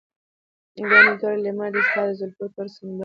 بيا مې تور لېمه دي ستا د زلفو تور سنبل